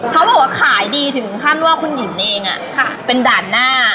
เขาบอกว่าขายดีถึงขั้นว่าคุณหญิงเองเป็นด่านหน้า